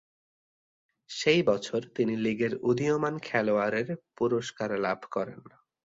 সেই বছর তিনি লিগের উদীয়মান খেলোয়াড়ের পুরস্কার লাভ করেন।